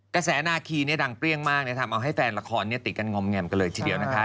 กระแสนาคีดังเปรี้ยงมากทำเอาให้แฟนละครติดกันงอมแงมกันเลยทีเดียวนะคะ